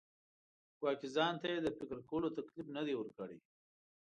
ګواکې ځان ته یې د فکر کولو تکلیف نه دی ورکړی.